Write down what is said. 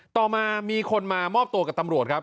ต่อมามีคนมามอบตัวกับตำรวจครับ